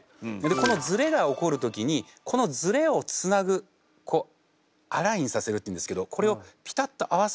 このズレが起こる時にこのズレをつなぐこうアラインさせるっていうんですけどこれをピタッと合わせる。